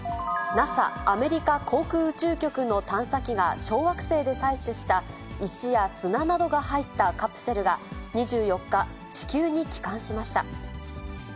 ＮＡＳＡ・アメリカ航空宇宙局の探査機が小惑星で採取した石や砂などが入ったカプセルが、２４日、地球に帰還しました。